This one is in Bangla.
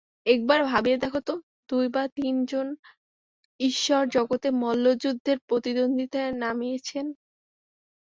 একবার ভাবিয়া দেখ তো দুই বা তিন জন ঈশ্বর জগতে মল্লযুদ্ধের প্রতিদ্বন্দ্বিতায় নামিয়াছেন।